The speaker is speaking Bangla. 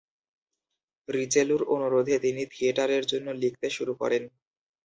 রিচেলুর অনুরোধে তিনি থিয়েটারের জন্য লিখতে শুরু করেন।